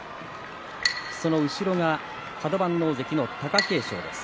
その後ろがカド番大関の貴景勝です。